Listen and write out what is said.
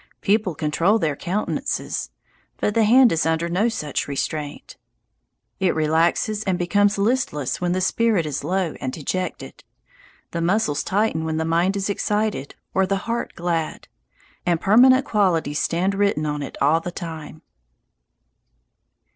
People control their countenances, but the hand is under no such restraint. It relaxes and becomes listless when the spirit is low and dejected; the muscles tighten when the mind is excited or the heart glad; and permanent qualities stand written on it all the time.